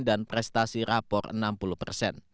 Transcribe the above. dan prestasi yang terakhir